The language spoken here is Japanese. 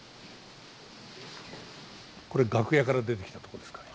これ楽屋から出てきたとこですかね？